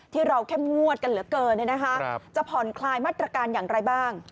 ที่เราเข้มงวดกันเหลือเกินจะผ่อนคลายมาตรการอย่างไรบ้าง